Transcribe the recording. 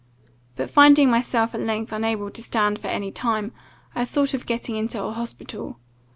But, finding myself at length unable to stand for any time, I thought of getting into an hospital.